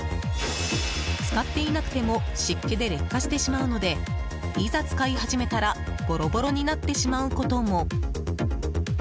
使っていなくても湿気で劣化してしまうのでいざ使い始めたらボロボロになってしまうことも。